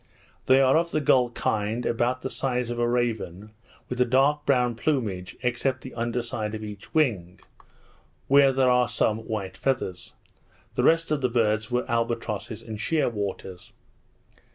They are of the gull kind, about the size of a raven, with a dark brown plumage, except the under side of each wing, where there are some white feathers. The rest of the birds were albatrosses and sheer waters.